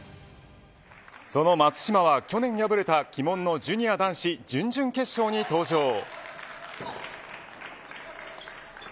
その松島は、去年敗れた鬼門のジュニア男子準々決勝に登場。